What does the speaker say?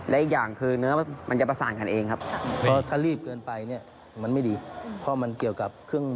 แล้วอีกอย่างคือเนื้อมันจะประสานกันเองครับ